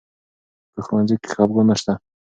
په ښوونځي کې خفګان نه شته.